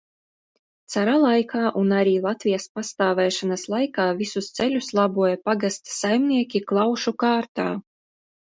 Cara laikā un arī Latvijas pastāvēšanas laikā visus ceļus laboja pagasta saimnieki klaušu kārtā.